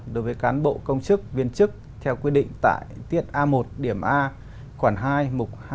đối với cán bộ công chức viên chức theo quy định tại tiết a một điểm a khoảng hai mục hai